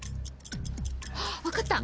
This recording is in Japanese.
分かった！